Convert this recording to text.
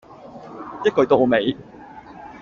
一句到尾